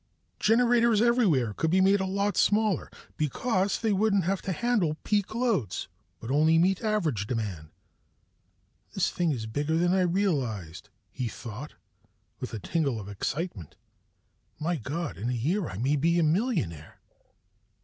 Generators everywhere could be made a lot smaller, because they wouldn't have to handle peak loads but only meet average demand. This thing is bigger than I realized, he thought with a tingle of excitement. _My God, in a year I may be a millionaire!